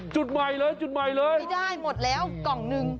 จุดใหม่เลยจุดใหม่เลยไม่ได้หมดแล้วกล่องหนึ่ง